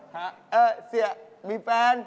ครับเอ่อเสียมีแฟน